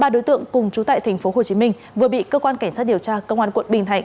ba đối tượng cùng chú tại tp hcm vừa bị cơ quan cảnh sát điều tra công an quận bình thạnh